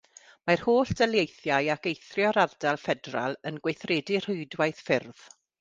Mae'r holl daleithiau ac eithrio'r Ardal Ffederal yn gweithredu rhwydwaith ffyrdd.